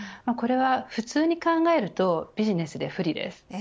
これは普通に考えるとビジネスで不利です。